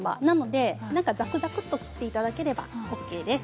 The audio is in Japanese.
ざくざく切っていただければＯＫです。